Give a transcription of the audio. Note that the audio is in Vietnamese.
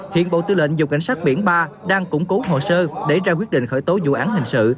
hiện bộ tư lệnh dùng cảnh sát biển ba đang củng cố hồ sơ để ra quyết định khởi tố vụ án hình sự